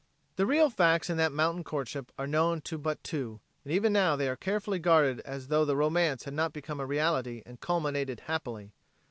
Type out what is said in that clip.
The real facts in that mountain courtship are known to but two, and even now are as carefully guarded as tho the romance had not become a reality and culminated happily.